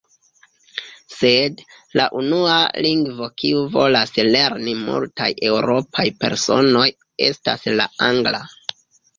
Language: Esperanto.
Sed, la unua lingvo kiu volas lerni multaj eŭropaj personoj, estas la angla.